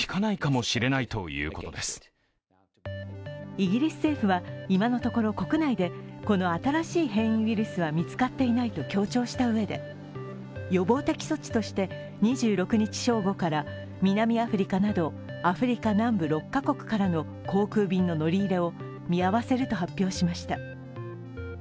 イギリス政府は今のところ国内で、この新しい変異ウイルスは見つかっていないと強調したうえで予防的措置として２６日正午から南アフリカなどアフリカ南部６カ国からの航空便の乗り入れを見合わせると発表しました。